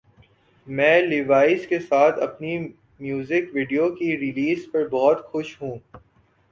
میں لیوائز کے ساتھ اپنی میوزک ویڈیو کی ریلیز پر بہت خوش ہوں